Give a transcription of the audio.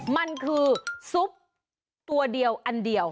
มันคือซุปตัวเดียวอันเดียว